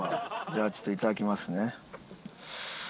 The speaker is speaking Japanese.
じゃあちょっといただきますね。